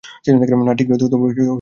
না, ঠিক নেই, তবে আমায় ক্ষমা করে দিস।